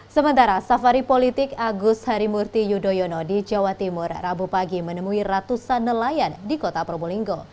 sementara safari politik agus harimurti yudhoyono di jawa timur rabu pagi menemui ratusan nelayan di kota probolinggo